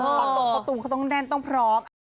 ต้องตรงประตูต้องแดนต้องพร้อม